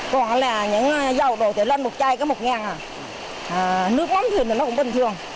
còn là những rau đồ thì lon một chai có một ngàn nước mắm thì nó cũng bình thường